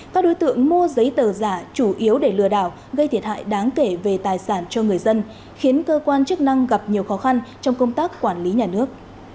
các đối tượng mua giấy tờ giả chủ yếu để lừa đảo gây thiệt hại đáng kể về tài sản cho người dân khiến cơ quan chức năng gặp nhiều khó khăn trong công tác quản lý nhà nước